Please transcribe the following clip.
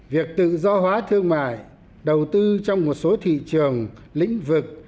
việc tự do hóa thương mại đầu tư trong một số thị trường lĩnh vực